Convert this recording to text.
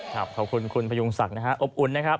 ครับขอบคุณคุณพระยุงสักนะฮะอบอุ่นนะครับ